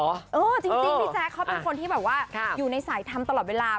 จริงพี่แจ๊กเขาเป็นคนที่อยู่ในสายทำตลอดเวลา